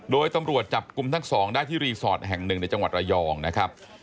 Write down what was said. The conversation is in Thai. โดยตำรวจจับกลุ่มทั้งสองได้ที่รีสอร์ทแห่งหนึ่งในจังหวัดระยองนะครับ